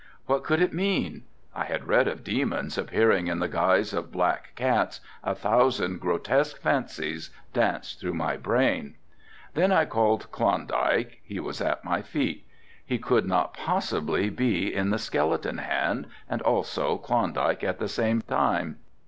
What could it mean? I had read of demons appearing in the guise of black cats, a thousand grotesque fancies danced through my brain. Then I called Klondike, he was at my feet. He could not possibly be in the skeleton hand and also Klondike at the same time.